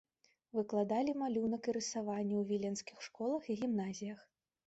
Выкладалі малюнак і рысаванне ў віленскіх школах і гімназіях.